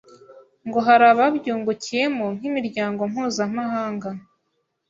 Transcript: ngo hari ababyungukiyemo nk’imiryango mpuzamahanga